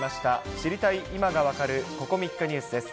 知りたい今がわかるここ３日ニュースです。